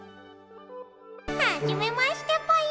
はじめましてぽよ！